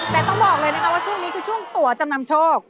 แต่ต้องบอกเลยนะคะว่าช่วงนี้คือช่วงตัวจำนำโชค